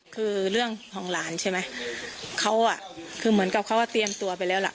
คือเรื่องของหลานใช่ไหมเขาอ่ะคือเหมือนกับเขาว่าเตรียมตัวไปแล้วล่ะ